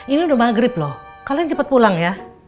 ini udah maghrib loh kalian cepat pulang ya